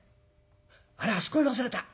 あれあそこへ忘れた。